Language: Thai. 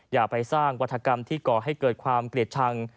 อย่าไปสร้างวัฒกรรมที่ก่อให้เกิดความเกลียดชัง